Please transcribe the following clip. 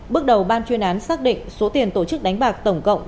bước đầu ban chuyên án xác định số tiền tổ chức đánh bạc tổng cộng